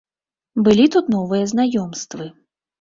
Былі тут новыя знаёмствы.